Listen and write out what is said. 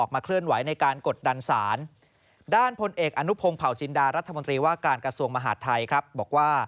มันโทษมันแรงนะ